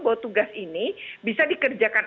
bahwa tugas ini bisa dikerjakan